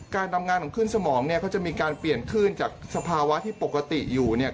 การทำงานของขึ้นสมองเนี่ยก็จะมีการเปลี่ยนขึ้นจากสภาวะที่ปกติอยู่เนี่ย